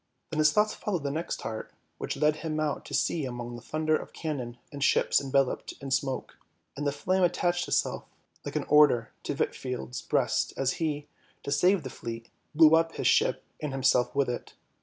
Then his thoughts followed the next heart, which led him out to sea among the thunder of cannon and ships enveloped in smoke; and the flame attached itself like an order to Hvitfield's breast as he, to save the fleet, blew up his ship and himself with it.